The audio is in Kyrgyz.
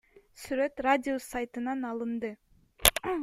Сүрөт Радиус сайтынан алынды.